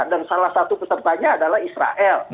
dan salah satu pesertanya adalah israel